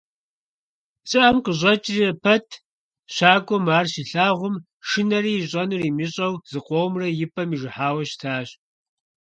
ПщыӀэм къыщӀэкӀрэ пэт щакӀуэм ар щилъагъум, шынэри ищӀэнур имыщӀэу зыкъомрэ и пӏэм ижыхьауэ щытащ.